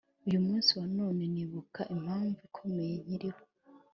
uyu munsi wa none nibuka impamvu ikomeye nkiriho